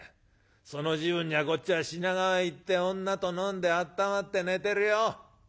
その時分にはこっちは品川へ行って女と飲んであったまって寝てるよ。